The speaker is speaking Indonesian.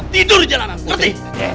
tidur di jalanan putri